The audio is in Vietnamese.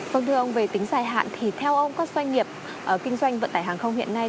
vâng thưa ông về tính dài hạn thì theo ông các doanh nghiệp kinh doanh vận tải hàng không hiện nay